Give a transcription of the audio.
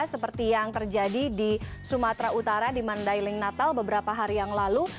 seperti yang terjadi di sumatera utara di mandailing natal beberapa hari yang lalu